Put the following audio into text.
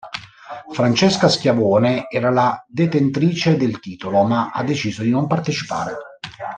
Francesca Schiavone era la detentrice del titolo ma ha deciso di non partecipare.